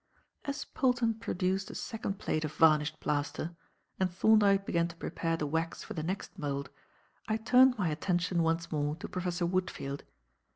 As Polton produced a second plate of varnished plaster and Thorndyke began to prepare the wax for the next mould, I turned my attention once more to Professor Woodfield.